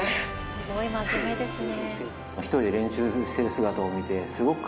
すごい真面目ですね。